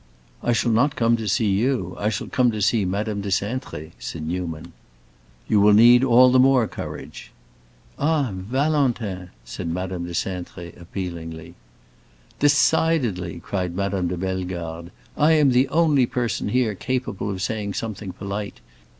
"I shall not come to see you; I shall come to see Madame de Cintré," said Newman. "You will need all the more courage." "Ah, Valentin!" said Madame de Cintré, appealingly. "Decidedly," cried Madame de Bellegarde, "I am the only person here capable of saying something polite!